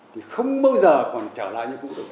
thì không bao giờ còn trở lại như cũ được